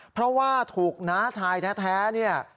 เพราะว่าถูกน้าชายแท้เนี่ย